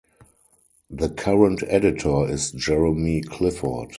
The current editor is Jeremy Clifford.